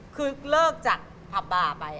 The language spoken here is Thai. คือเลิกจากผับบ่าไป